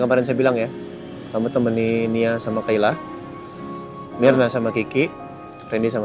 kemarin saya bilang ya kamu temeninnya sama kayla mirna sama kiki rendy sama